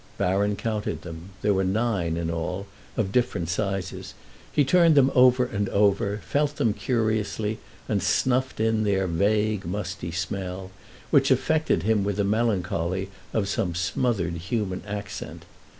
Baron counted them—there were nine in all, of different sizes; he turned them over and over, felt them curiously and snuffed in their vague, musty smell, which affected him with the melancholy of some smothered human accent.